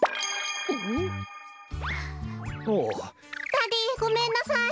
ダディーごめんなさい！